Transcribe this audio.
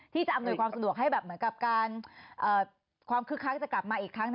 ที่จะอำนวยความสะดวกให้แบบเหมือนกับการความคึกคักจะกลับมาอีกครั้ง